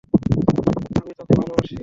আমি তোকে ভালোবাসি।